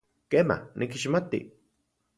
Kema, nikixmati.